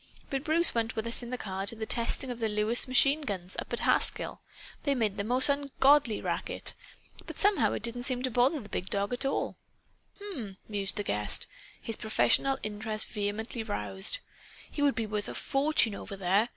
But Bruce went with us in the car to the testing of the Lewis machineguns, up at Haskell. They made a most ungodly racket. But somehow it didn't seem to bother the Big Dog at all." "H'm!" mused the guest, his professional interest vehemently roused. "He would be worth a fortune over there.